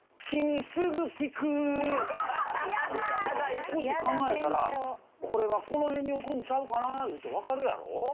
少し考えたらこれはこの辺に置くんちゃうかないうて分かるやろ？